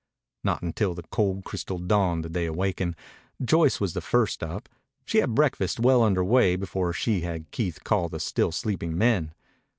Not until the cold crystal dawn did they awaken. Joyce was the first up. She had breakfast well under way before she had Keith call the still sleeping men.